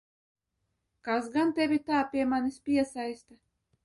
Kas gan tevi tā pie manis piesaista?